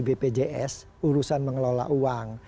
bpjs urusan mengelola uang